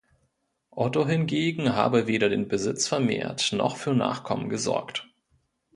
Otto hingegen habe weder den Besitz vermehrt noch für Nachkommen gesorgt.